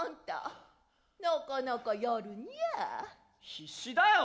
必死だよ。